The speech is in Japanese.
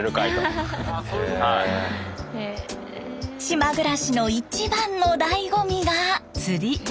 島暮らしの一番のだいご味が。